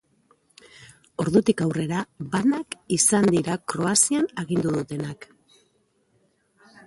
Ordutik aurrera Banak izan dira Kroazian agindu dutenak.